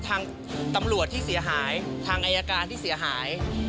ทางตำรวจที่เสียหายทางอายการที่เสียหาย